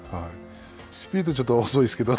スピード、ちょっと遅いですけど。